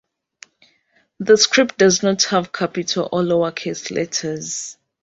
The script does not have capital or lowercase letters.